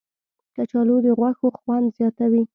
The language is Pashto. کچالو د غوښو خوند زیاتوي